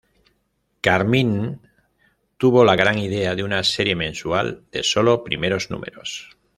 Carmine tuvo la gran idea de una serie mensual de solo primeros números.